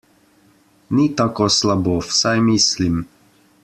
Ni tako slabo, vsaj mislim.